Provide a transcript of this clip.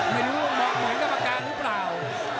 ไม่รู้ว่ามองเหมือนกับปากกาหรือเปล่า